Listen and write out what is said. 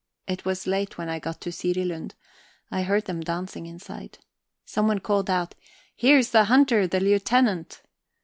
It was late when I got to Sirilund; I heard them dancing inside. Someone called out: "Here's the hunter, the Lieutenant."